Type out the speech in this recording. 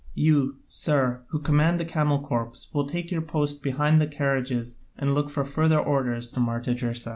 You, sir, who command the camel corps will take up your post behind the carriages and look for further orders to Artagersas.